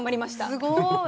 すごい。